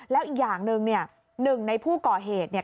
แล้วอีกอย่างหนึ่งเนี่ยหนึ่งในผู้ก่อเหตุเนี่ย